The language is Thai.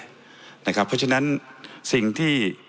เพราะฉะนั้นสิ่งที่